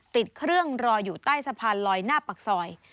ติดเครื่องรออยู่ใต้สะพานลอยหน้าปากซอย